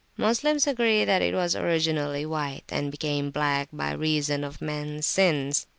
Moslems agree that it was originally white, and became black by reason of mens sins.